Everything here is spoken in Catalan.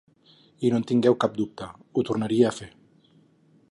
I no en tingueu cap dubte, ho tornaria a fer.